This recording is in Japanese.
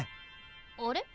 あれ？